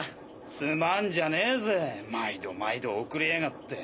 すまんじゃねぇぜ毎度毎度遅れやがって。